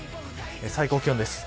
最高気温です。